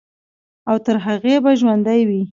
او تر هغې به ژوندے وي،